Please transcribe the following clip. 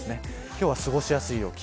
今日は過ごしやすい陽気。